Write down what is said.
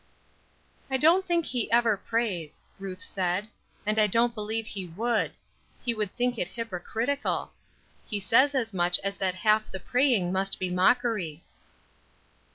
"I don't think he ever prays," Ruth said, "and I don't believe he would. He would think it hypocritical. He says as much as that half the praying must be mockery."